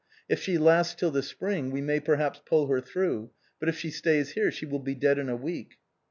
If she lasts till the spring we may perha]>s pull her through, but if she stays here she will be dead in a week."